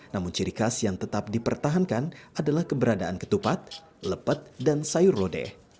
namun ciri khas yang tetap dipertahankan adalah keberadaan ketupat lepet dan sayur lodeh